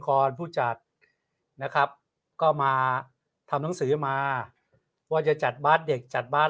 ผู้จัดนะครับก็มาทำหนังสือมาว่าจะจัดบาสเด็กจัดบาส